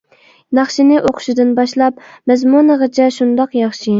ناخشىنى ئوقۇشىدىن باشلاپ مەزمۇنىغىچە شۇنداق ياخشى.